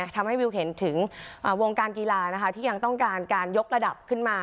ทำให้วิวเห็นถึงวงการกีฬาที่ยังต้องการการยกระดับขึ้นมา